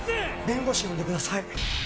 弁護士呼んでください。